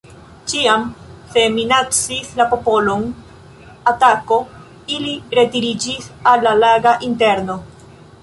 Ĉiam, se minacis la popolon atako, ili retiriĝis al la laga interno.